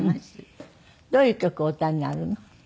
どういう曲をお歌いになるの？